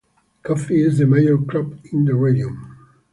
Coffee is the major crop in the region.